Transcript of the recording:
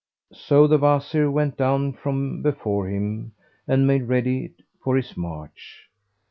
'" So the Wazir went down from before him and made ready for his march.